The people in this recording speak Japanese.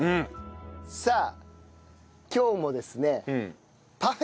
さあ今日もですね